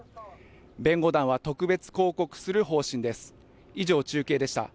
弁護団は特別抗告する方針です。